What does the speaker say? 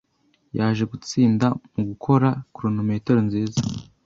yaje gutsinda mugukora chronometero nziza